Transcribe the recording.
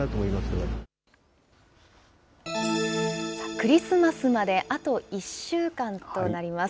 クリスマスまであと１週間となります。